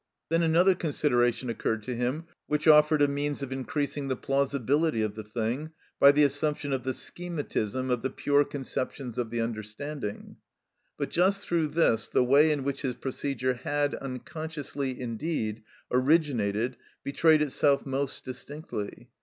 Then another consideration occurred to him, which offered a means of increasing the plausibility of the thing, by the assumption of the schematism of the pure conceptions of the understanding. But just through this the way in which his procedure had, unconsciously indeed, originated betrayed itself most distinctly.